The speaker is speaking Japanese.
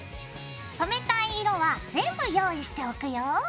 染めたい色は全部用意しておくよ。